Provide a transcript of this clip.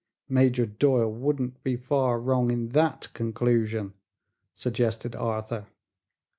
"Major Doyle wouldn't be far wrong in that conclusion," suggested Arthur.